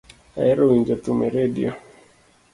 Ahero winjo thum e radio